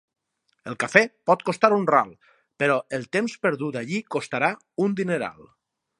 El cafè pot costar un ral, però el temps perdut allí costarà un dineral.